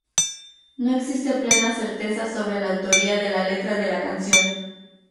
No existe plena certeza sobre la autoría de la letra de la canción.